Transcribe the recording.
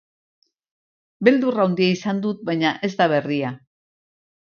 Beldur handia izan dut, baina ez da berria.